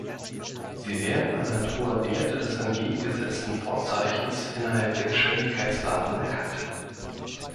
Sie werden anhand hoher Werte des entgegengesetzten Vorzeichens innerhalb der Geschwindigkeitsdaten erkannt.